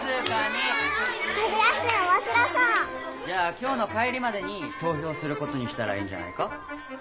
じゃあきょうの帰りまでにとうひょうすることにしたらいいんじゃないか？